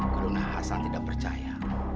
guru nah san tidak percaya